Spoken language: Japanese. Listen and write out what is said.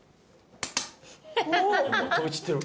飛び散ってる！